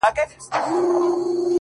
په سپوږمۍ كي زمـــا ژوندون دى ـ